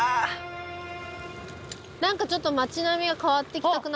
何かちょっと町並みが変わって来たくない？